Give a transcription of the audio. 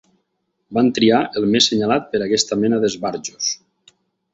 Van triar el més senyalat pera aquesta mena d'esbarjos